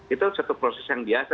itu satu proses yang biasa